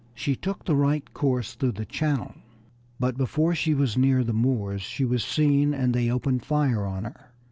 She took the right course through the channel, but before she was near the Moors she was seen and they opened fire on her.